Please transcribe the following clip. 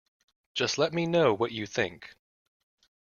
Just let me know what you think